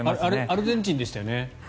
アルゼンチンですよね？